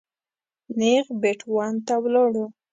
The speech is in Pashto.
نېغ بېټ ون ته ولاړو.